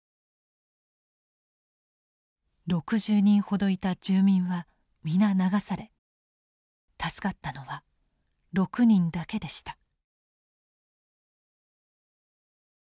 ６０人ほどいた住民は皆流され助かったのは６人だけでした。